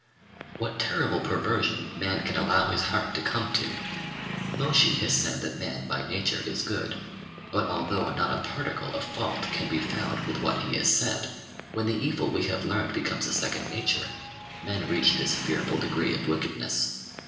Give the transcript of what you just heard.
What terrible perversion man can allow his heart to come to! Môshi has said that man by nature is good; but although not a particle of fault can be found with what he has said, when the evil we have learned becomes a second nature, men reach this fearful degree of wickedness.